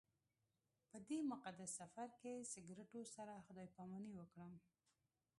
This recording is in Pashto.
په دې مقدس سفر کې سګرټو سره خدای پاماني وکړم.